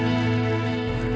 oke sampai jumpa